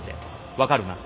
分かるな？